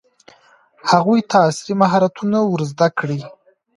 هغوی ته عصري مهارتونه ور زده کړئ.